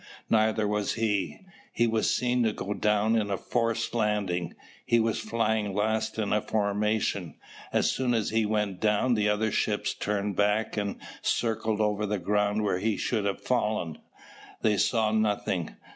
Neither was he. He was seen to go down in a forced landing. He was flying last in a formation. As soon as he went down the other ships turned back and circled over the ground where he should have fallen. They saw nothing.